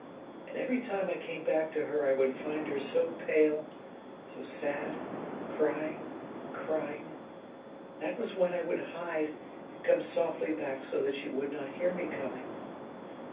And every time I came back to her I would find her so pale, so sad, crying crying. That was when I would hide and come softly back so that she would not hear me coming.